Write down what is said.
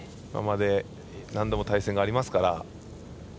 何度も対戦がありますから。